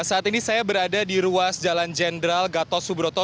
saat ini saya berada di ruas jalan jenderal gatot subroto